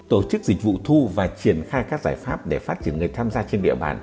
tổ chức dịch vụ thu và triển khai các giải pháp để phát triển người tham gia trên địa bàn